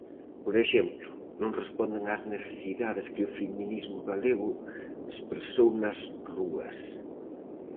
Por exemplo, non responden ás necesidades que o feminismo galego expresou nas rúas.